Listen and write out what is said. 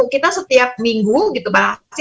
kita setiap minggu gitu pak